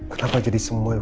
kenapa jadi semuanya